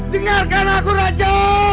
dengarkan aku raju